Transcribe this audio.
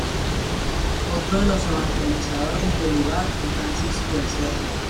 Otro de los evangelizadores del lugar fue Francisco de Cerda.